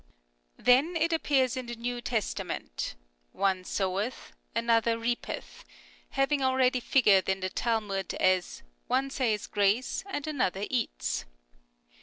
Then it appears in the New Testament, " One soweth, another reapeth," having already figured in the Talmud as " One says grace, and another eats."